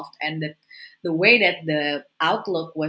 dan cara pemerintah itu dihasilkan